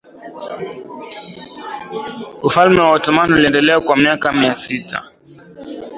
Ufalme wa Ottoman uliendelea kwa miaka mia sita